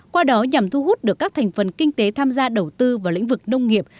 qua đó nhằm thu hút được các thành phần kinh tế tham gia đầu tư vào lĩnh vực nông nghiệp